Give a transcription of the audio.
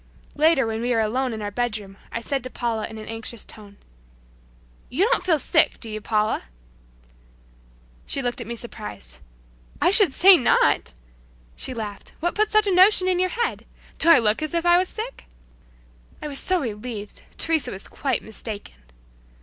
Later when we were alone in our bedroom I said to Paula in an anxious tone, "You don't feel sick; do you, Paula?" She looked at me surprised "I should say not!" She laughed, "What put such a notion in your head? Do I look as if I was sick?" I was so relieved! Teresa was quite mistaken!